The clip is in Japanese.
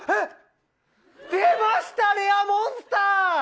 出ました、レアモンスター。